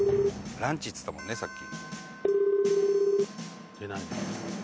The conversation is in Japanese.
ランチっつってたもんねさっき。